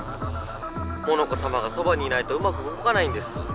「モノコさまがそばにいないとうまくうごかないんです」。